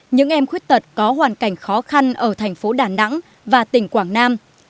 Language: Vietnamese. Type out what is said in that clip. những em khuyết tật có hoàn cảnh khó khăn ở thành phố đà nẵng và tỉnh quảng nam